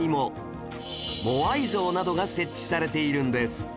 モアイ像などが設置されているんです